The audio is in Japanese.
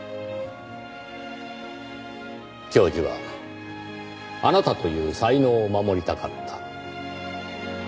教授はあなたという才能を守りたかった。